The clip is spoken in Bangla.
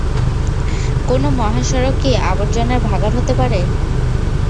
কোনো মহাসড়ক কি আবর্জনার ভাগাড় হতে পারে?